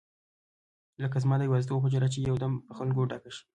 لکه زما د یوازیتوب حجره چې یو دم په خلکو ډکه شي.